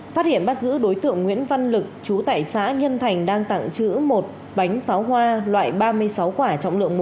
phát hiện bắt giữ đối tượng nguyễn văn lực chú tại xã nhân thành đang tặng chữ một bánh pháo hoa loại ba mươi sáu quả trọng lượng một